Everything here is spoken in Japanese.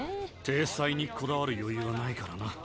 体裁にこだわる余ゆうはないからな。